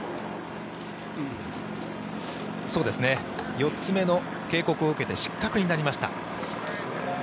４つ目の警告を受けて失格になりました。